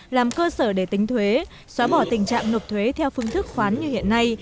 làm cơ sở để tính thuế xóa bỏ tình trạng nộp thuế theo phương thức khoán như hiện nay